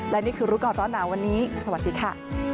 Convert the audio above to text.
และนี่คือรู้ก่อนร้อนหนาวันนี้สวัสดีค่ะ